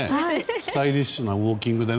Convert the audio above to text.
スタイリッシュなウォーキングで。